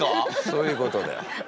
そういうことだよ。